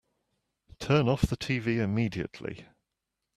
Turn off the tv immediately!